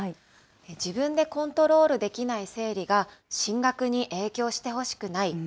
自分でコントロールできない生理が、進学に影響してほしくない。